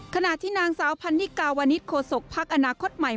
ขณะที่นางสาวพันธุ์นิกาวานิทโคศกพักอนาคตใหม่